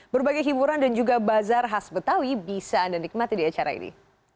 berbagai hiburan dan juga bazar khas betawi bisa anda nikmati di acara ini